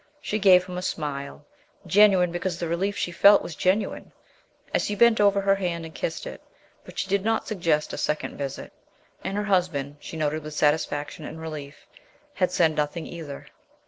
She gave him a smile genuine because the relief she felt was genuine as he bent over her hand and kissed it, but she did not suggest a second visit, and her husband, she noted with satisfaction and relief, had said nothing either.